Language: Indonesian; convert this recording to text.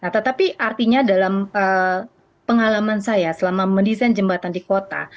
tetapi artinya dalam pengalaman saya selama mendesain jembatan di kota